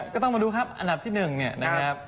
ก็ต้องมาดูครับอันดับที่๑เนี่ยนะครับ